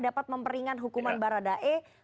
dapat memperingan hukuman baradai tidak